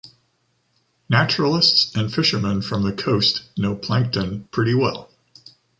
Naturalists and fishermen from the coast know Plankton pretty well